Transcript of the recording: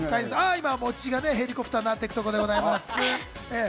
今餅がヘリコプターになってくところでございます。